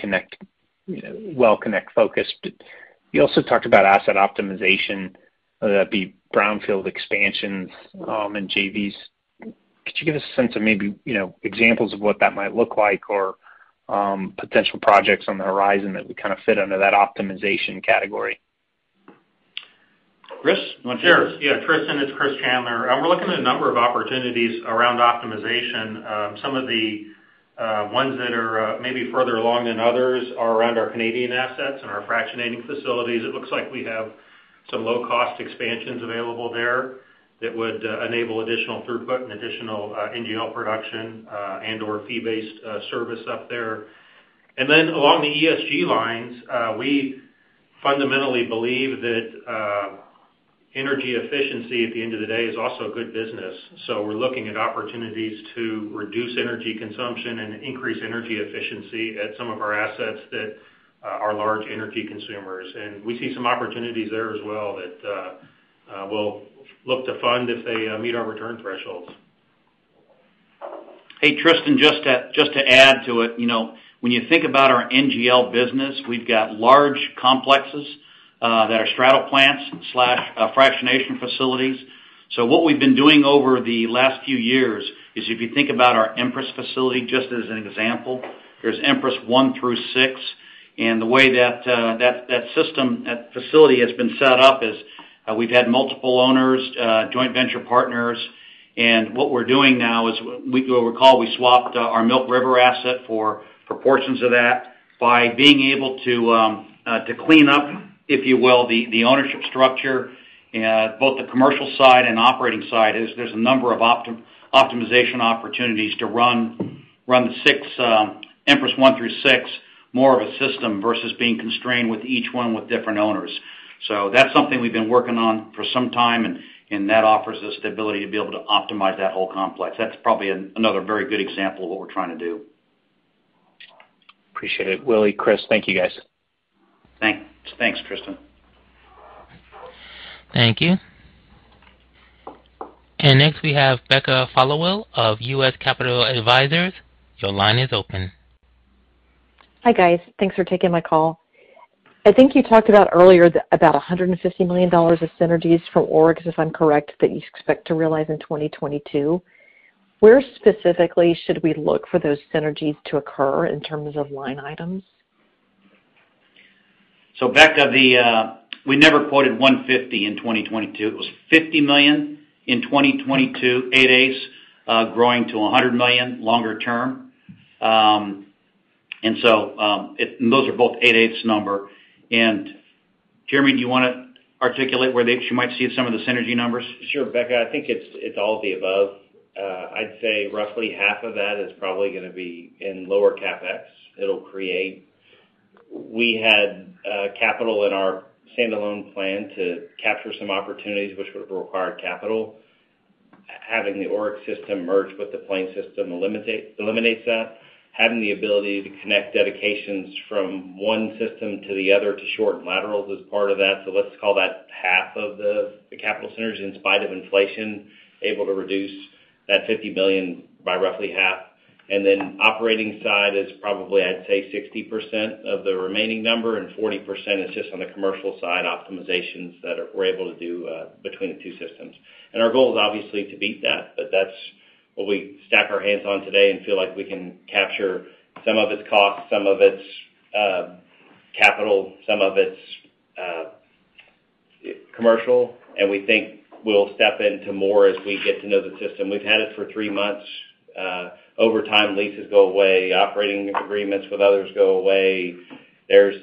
well connects focused. You also talked about asset optimization, whether that be brownfield expansions, and JVs. Could you give us a sense of maybe, you know, examples of what that might look like or, potential projects on the horizon that would kind of fit under that optimization category? Chris, you want to take this? Sure. Yeah, Tristan, it's Chris Chandler. We're looking at a number of opportunities around optimization. Some of the ones that are maybe further along than others are around our Canadian assets and our fractionating facilities. It looks like we have some low-cost expansions available there that would enable additional throughput and additional NGL production and/or fee-based service up there. Along the ESG lines, we fundamentally believe that energy efficiency at the end of the day is also a good business. We're looking at opportunities to reduce energy consumption and increase energy efficiency at some of our assets that are large energy consumers. We see some opportunities there as well that we'll look to fund if they meet our return thresholds. Hey, Tristan, just to add to it, you know, when you think about our NGL business, we've got large complexes that are straddle plants slash fractionation facilities. What we've been doing over the last few years is if you think about our Empress facility, just as an example, there's Empress one through six, and the way that system, that facility has been set up is we've had multiple owners joint venture partners. What we're doing now is you'll recall we swapped our Milk River asset for proportions of that. By being able to clean up, if you will, the ownership structure, both the commercial side and operating side, there's a number of optimization opportunities to run the six Empress one through six more of a system versus being constrained with each one with different owners. That's something we've been working on for some time, and that offers us the ability to be able to optimize that whole complex. That's probably another very good example of what we're trying to do. Appreciate it. Willie, Chris, thank you, guys. Thanks, Tristan. Thank you. Next, we have Becca Followill of U.S. Capital Advisors. Your line is open. Hi, guys. Thanks for taking my call. I think you talked about earlier $150 million of synergies from Oryx, if I'm correct, that you expect to realize in 2022. Where specifically should we look for those synergies to occur in terms of line items? Becca, we never quoted $150 in 2022. It was $50 million in 2022, 8/8ths, growing to $100 million longer term. Those are both 8/8ths number. Jeremy, do you wanna articulate where they she might see some of the synergy numbers? Sure. Becca, I think it's all of the above. I'd say roughly half of that is probably gonna be in lower CapEx. It'll create. We had capital in our standalone plan to capture some opportunities which would have required capital. Having the Oryx system merged with the Plains system eliminates that. Having the ability to connect dedications from one system to the other to shorten laterals is part of that. Let's call that half of the capital synergies in spite of inflation, able to reduce that $50 million by roughly half. Then operating side is probably, I'd say, 60% of the remaining number, and 40% is just on the commercial side, optimizations that we're able to do between the two systems. Our goal is obviously to beat that, but that's what we stack our hands on today and feel like we can capture some of its costs, some of its capital, some of its commercial, and we think we'll step into more as we get to know the system. We've had it for three months. Over time, leases go away, operating agreements with others go away. There's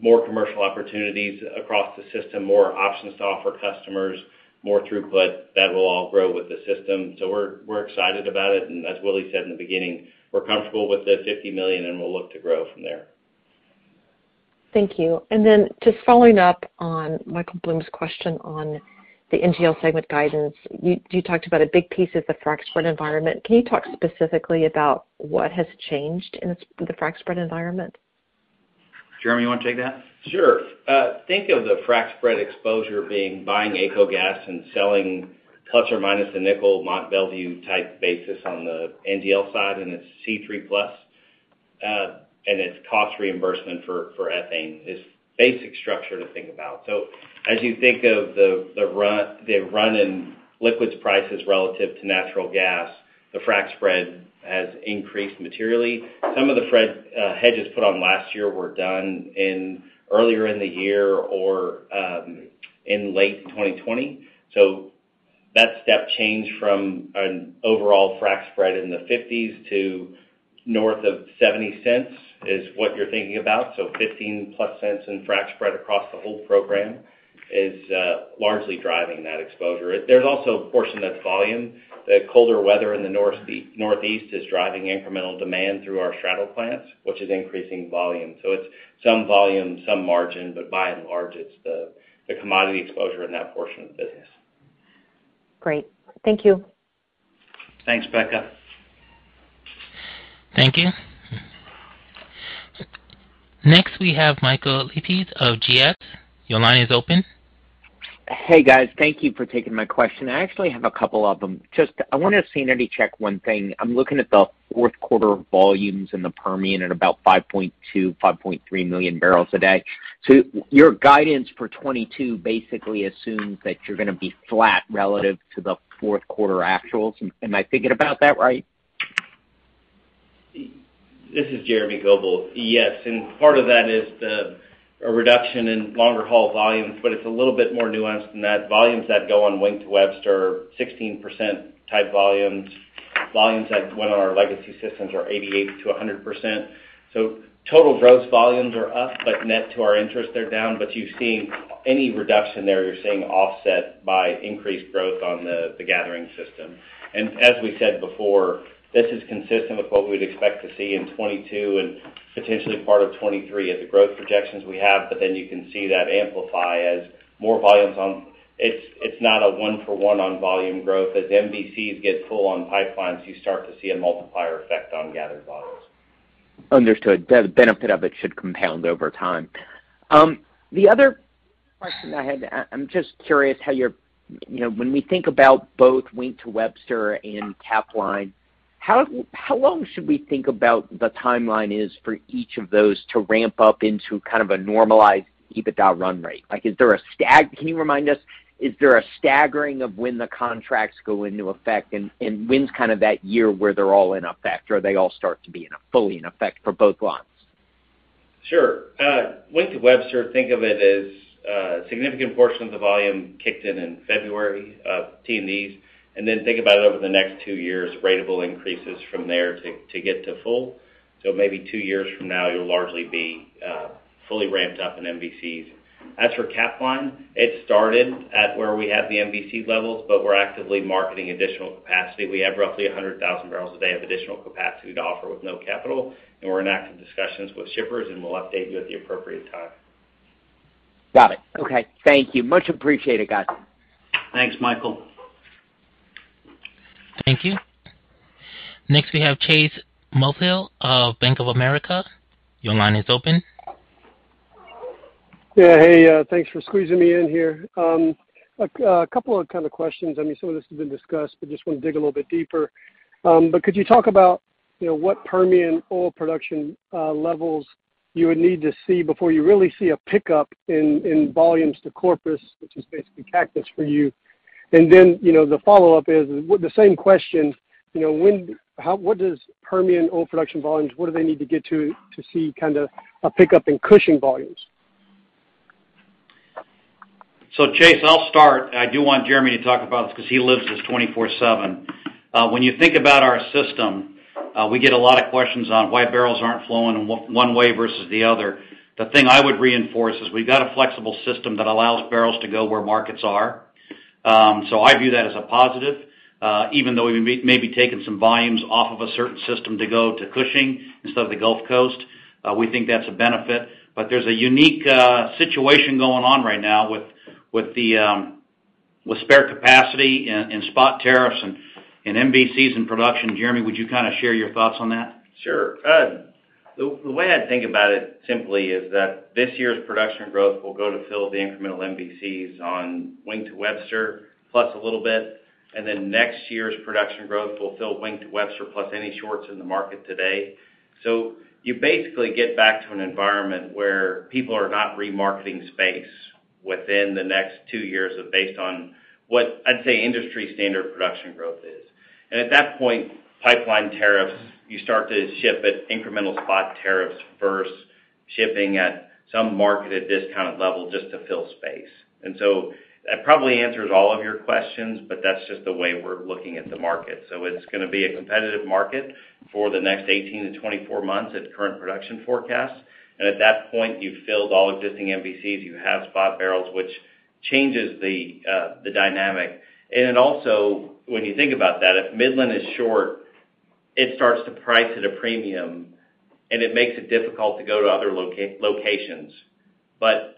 more commercial opportunities across the system, more options to offer customers, more throughput that will all grow with the system. We're excited about it, and as Willie said in the beginning, we're comfortable with the $50 million, and we'll look to grow from there. Thank you. Just following up on Michael Blum's question on the NGL segment guidance. You talked about a big piece of the frac spread environment. Can you talk specifically about what has changed in the frac spread environment? Jeremy, you wanna take that? Sure. Think of the frac spread exposure being buying AECO gas and selling plus or minus the non-TET Mont Belvieu type basis on the NGL side and its C3+. Its cost reimbursement for ethane is basic structure to think about. As you think of the run in liquids prices relative to natural gas, the frac spread has increased materially. Some of the hedges put on last year were done earlier in the year or in late 2020. That step change from an overall frac spread in the $0.50s to north of $0.70 is what you're thinking about. Fifteen plus cents in frac spread across the whole program is largely driving that exposure. There's also a portion that's volume. The colder weather in the Northeast is driving incremental demand through our straddle plants, which is increasing volume. It's some volume, some margin, but by and large, it's the commodity exposure in that portion of the business. Great. Thank you. Thanks, Becca. Thank you. Next, we have Michael Lapides of GS. Your line is open. Hey, guys. Thank you for taking my question. I actually have a couple of them. Just I want to sanity check one thing. I'm looking at the fourth quarter volumes in the Permian at about 5.2 million-5.3 million barrels a day. Your guidance for 2022 basically assumes that you're going to be flat relative to the fourth quarter actuals. Am I thinking about that right? This is Jeremy Goebel. Part of that is the reduction in longer haul volumes, but it's a little bit more nuanced than that. Volumes that go on Wink to Webster, 16% type volumes. Volumes that went on our legacy systems are 88%-100%. Total gross volumes are up, but net to our interest, they're down. You've seen any reduction there, you're seeing offset by increased growth on the gathering system. As we said before, this is consistent with what we'd expect to see in 2022 and potentially part of 2023 at the growth projections we have. You can see that amplify as more volumes on. It's not a one for one on volume growth. As MVCs get full on pipelines, you start to see a multiplier effect on gathered volumes. Understood. The benefit of it should compound over time. The other question I had, I'm just curious. You know, when we think about both Wink to Webster and Capline, how long should we think about the timeline is for each of those to ramp up into kind of a normalized EBITDA run-rate? Can you remind us, is there a staggering of when the contracts go into effect and when's kind of that year where they're all in effect, or they all start to be fully in effect for both lines? Sure. Wink to Webster, think of it as a significant portion of the volume kicked in in February, MVCs. Then think about over the next two years, ratable increases from there to get to full. So maybe two years from now, you'll largely be fully ramped up in MVCs. As for Capline, it started at where we had the MVC levels, but we're actively marketing additional capacity. We have roughly 100,000 barrels a day of additional capacity to offer with no capital, and we're in active discussions with shippers, and we'll update you at the appropriate time. Got it. Okay. Thank you. Much appreciated, guys. Thanks, Michael. Thank you. Next, we have Chase Mulvehill of Bank of America. Your line is open. Hey, thanks for squeezing me in here. A couple of kind of questions. I mean, some of this has been discussed, but just want to dig a little bit deeper. Could you talk about, you know, what Permian oil production levels you would need to see before you really see a pickup in volumes to Corpus, which is basically Cactus for you. Then, you know, the follow-up is, with the same question, you know, what does Permian oil production volumes need to get to see kind of a pickup in Cushing volumes? Chase, I'll start. I do want Jeremy to talk about this because he lives this 24/7. When you think about our system, we get a lot of questions on why barrels aren't flowing in one way versus the other. The thing I would reinforce is we've got a flexible system that allows barrels to go where markets are. I view that as a positive, even though we may be taking some volumes off of a certain system to go to Cushing instead of the Gulf Coast. We think that's a benefit. There's a unique situation going on right now with spare capacity and spot tariffs and MVCs in production. Jeremy, would you kind of share your thoughts on that? Sure. The way I think about it simply is that this year's production growth will go to fill the incremental MVCs on Wink to Webster, plus a little bit. Then next year's production growth will fill Wink to Webster, plus any shorts in the market today. You basically get back to an environment where people are not remarketing space within the next two years based on what I'd say industry standard production growth is. At that point, pipeline tariffs, you start to ship at incremental spot tariffs first, shipping at some market at discounted level just to fill space. That probably answers all of your questions, but that's just the way we're looking at the market. It's gonna be a competitive market for the next 18-24 months at current production forecast. At that point, you've filled all existing MVCs. You have spot barrels, which changes the dynamic. Also, when you think about that, if Midland is short, it starts to price at a premium, and it makes it difficult to go to other locations.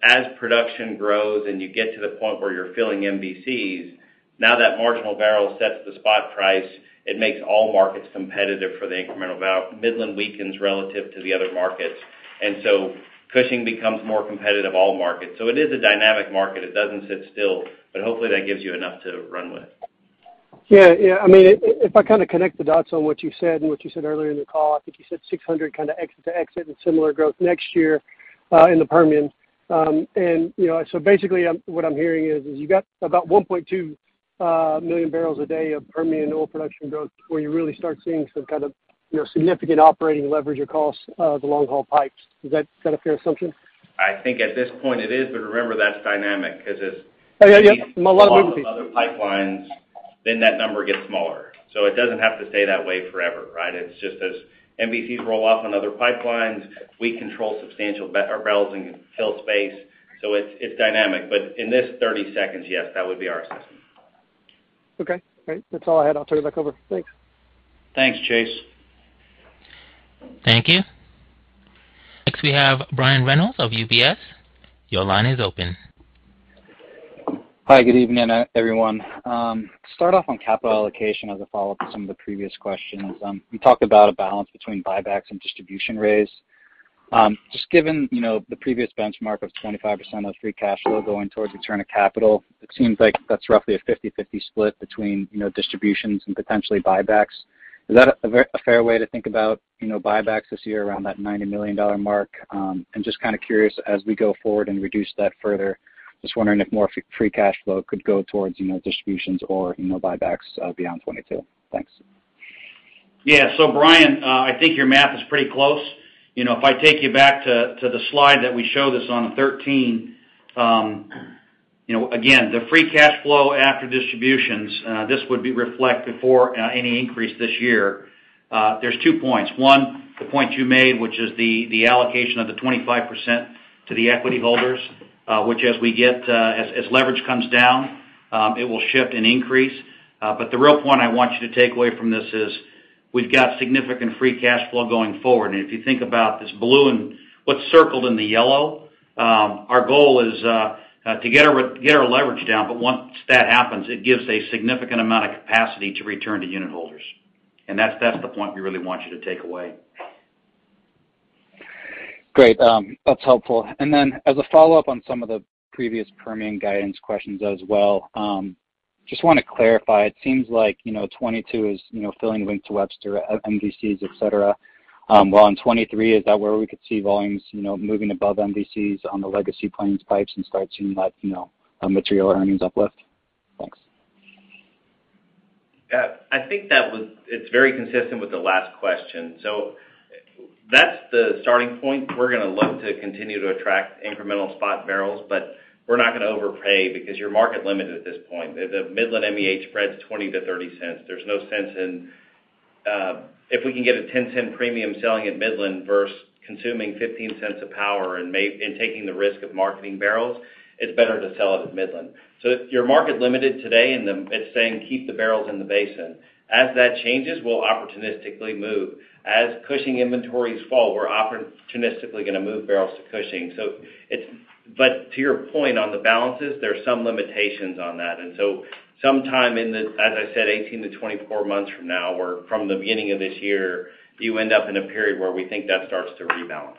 As production grows and you get to the point where you're filling MVCs, now that marginal barrel sets the spot price. It makes all markets competitive for the incremental barrel. Midland weakens relative to the other markets. Cushing becomes more competitive, all markets. It is a dynamic market. It doesn't sit still, but hopefully that gives you enough to run with. I mean, if I kind of connect the dots on what you said and what you said earlier in the call, I think you said 600 kind of exit to exit and similar growth next year in the Permian. You know, basically what I'm hearing is you got about 1.2 million barrels a day of Permian oil production growth where you really start seeing some kind of, you know, significant operating leverage across the long-haul pipes. Is that a fair assumption? I think at this point it is, but remember that's dynamic because as Yeah, yeah. These come off of other pipelines, then that number gets smaller. It doesn't have to stay that way forever, right? It's just as MVCs roll off on other pipelines, we control substantial barrels and fill space, so it's dynamic. In this 30 seconds, yes, that would be our assumption. Okay. Great. That's all I had. I'll turn it back over. Thanks. Thanks, Chase. Thank you. Next, we have Brian Reynolds of UBS. Your line is open. Hi, good evening, everyone. Start off on capital allocation as a follow-up to some of the previous questions. You talked about a balance between buybacks and distribution raise. Just given, you know, the previous benchmark of 25% of free cash flow going towards return of capital, it seems like that's roughly a 50/50 split between, you know, distributions and potentially buybacks. Is that a fair way to think about, you know, buybacks this year around that $90 million mark? And just kind of curious, as we go forward and reduce that further, just wondering if more free cash flow could go towards, you know, distributions or, you know, buybacks, beyond 2022. Thanks. Brian, I think your math is pretty close. You know, if I take you back to the slide that we showed this on, 13, you know, again, the free cash flow after distributions, this would reflect before any increase this year. There's two points. One, the point you made, which is the allocation of the 25% to the equity holders, which, as leverage comes down, it will shift and increase. The real point I want you to take away from this is we've got significant free cash flow going forward. If you think about this blue and what's circled in the yellow, our goal is to get our leverage down. Once that happens, it gives a significant amount of capacity to return to unit holders. That's the point we really want you to take away. Great. That's helpful. As a follow-up on some of the previous Permian guidance questions as well, just wanna clarify, it seems like, you know, 2022 is, you know, filling Wink to Webster, MVCs, et cetera. While on 2023, is that where we could see volumes, you know, moving above MVCs on the legacy Plains pipes and start seeing that, you know, a material earnings uplift? Thanks. Yeah. I think that was. It's very consistent with the last question. That's the starting point. We're gonna look to continue to attract incremental spot barrels, but we're not gonna overpay because you're market-limited at this point. The Midland MEH spreads $0.20-$0.30. There's no sense in if we can get a $0.10 premium selling at Midland versus consuming $0.15 of power and taking the risk of marketing barrels. It's better to sell it at Midland. You're market-limited today, and the. It's saying keep the barrels in the basin. As that changes, we'll opportunistically move. As Cushing inventories fall, we're opportunistically gonna move barrels to Cushing. It's. To your point on the balances, there are some limitations on that. Sometime in the, as I said, 18-24 months from now or from the beginning of this year, you end up in a period where we think that starts to rebalance.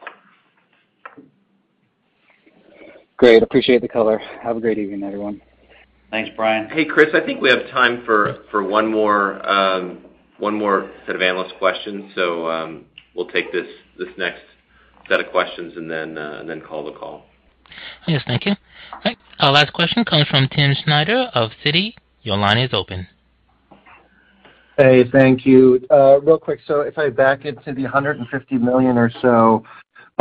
Great. Appreciate the color. Have a great evening, everyone. Thanks, Brian. Hey, Chris, I think we have time for one more set of analyst questions. We'll take this next set of questions and then call the call. Yes. Thank you. All right, our last question comes from Theresa Chen of Citi. Your line is open. Hey. Thank you. Real quick. If I back into the $150 million or so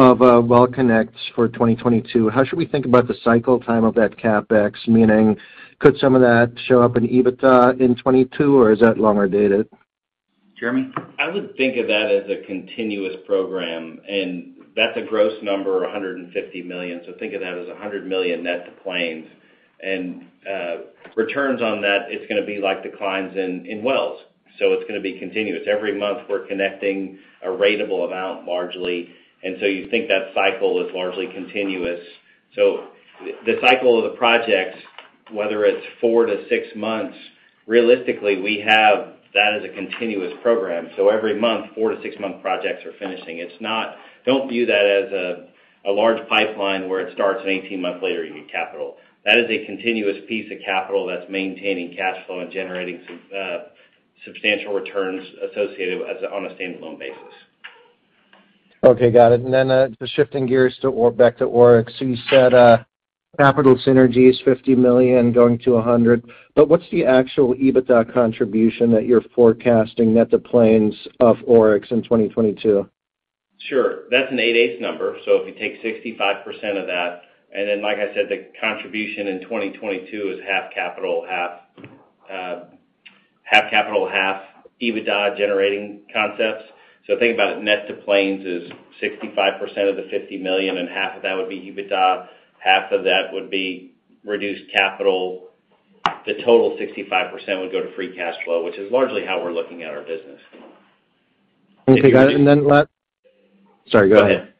of well connects for 2022, how should we think about the cycle time of that CapEx? Meaning, could some of that show up in EBITDA in 2022, or is that longer dated? Jeremy? I would think of that as a continuous program, and that's a gross number, $150 million. Think of that as $100 million net to Plains. Returns on that, it's gonna be like declines in wells. It's gonna be continuous. Every month, we're connecting a ratable amount, largely. You think that cycle is largely continuous. The cycle of the projects, whether it's four-six months, realistically, we have that as a continuous program. Every month, four-six-month projects are finishing. Don't view that as a large pipeline where it starts and 18 months later you get capital. That is a continuous piece of capital that's maintaining cash flow and generating substantial returns associated as a on a standalone basis. Okay. Got it. Then, just shifting gears to or back to Oryx. You said capital synergy is $50 million, going to $100 million, but what's the actual EBITDA contribution that you're forecasting net to Plains of Oryx in 2022? Sure. That's an 8/8ths number, so if you take 65% of that, and then like I said, the contribution in 2022 is half capital, half EBITDA-generating concepts. So think about it, net to Plains is 65% of the $50 million, and half of that would be EBITDA, half of that would be reduced capital. The total 65% would go to free cash flow, which is largely how we're looking at our business. Okay. Got it. Sorry, go ahead.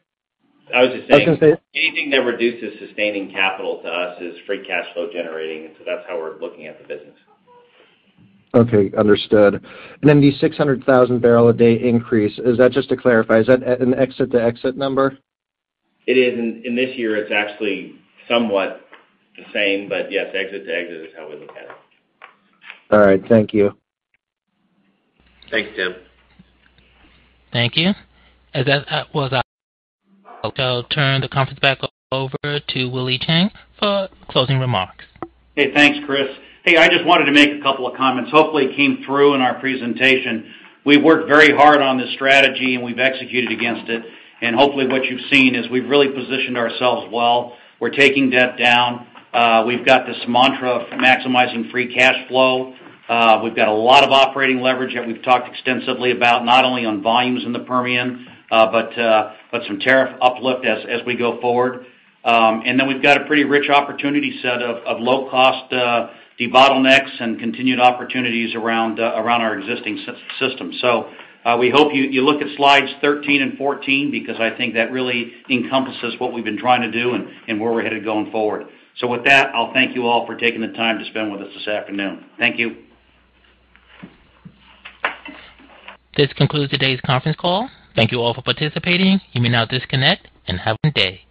I was just saying. I was gonna say- Anything that reduces sustaining capital to us is free cash flow generating. That's how we're looking at the business. Okay. Understood. The 600,000 barrels a day increase, is that just to clarify, is that an exit-to-exit number? It is. In this year, it's actually somewhat the same, but yes, exit to exit is how we look at it. All right. Thank you. Thanks, Theresa. Thank you. I'll turn the conference back over to Willie Chiang for closing remarks. Hey, thanks, Chris. Hey, I just wanted to make a couple of comments. Hopefully it came through in our presentation. We worked very hard on this strategy and we've executed against it. Hopefully what you've seen is we've really positioned ourselves well. We're taking debt down. We've got this mantra of maximizing free cash flow. We've got a lot of operating leverage that we've talked extensively about, not only on volumes in the Permian, but some tariff uplift as we go forward. We've got a pretty rich opportunity set of low cost debottlenecks and continued opportunities around our existing system. We hope you look at slides 13 and 14 because I think that really encompasses what we've been trying to do and where we're headed going forward. With that, I'll thank you all for taking the time to spend with us this afternoon. Thank you. This concludes today's conference call. Thank you all for participating. You may now disconnect, and have a good day.